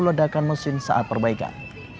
ledakan mesin saat perbaikan